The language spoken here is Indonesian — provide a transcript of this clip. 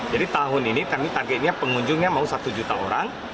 jadi tahun ini kami targetnya pengunjungnya mau satu juta orang